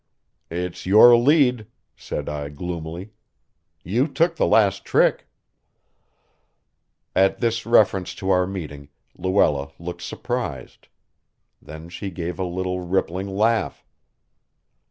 "It's your lead," said I gloomily. "You took the last trick." At this reference to our meeting, Luella looked surprised. Then she gave a little rippling laugh.